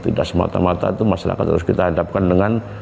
tidak semata mata itu masyarakat harus kita hadapkan dengan